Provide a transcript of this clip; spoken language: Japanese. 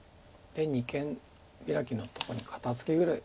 で二間ビラキのところに肩ツキぐらい。